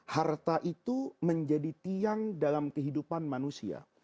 harta itu menjadi tiang dalam kehidupan manusia